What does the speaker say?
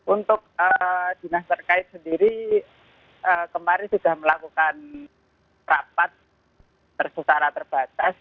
untuk dinas terkait sendiri kemarin sudah melakukan rapat secara terbatas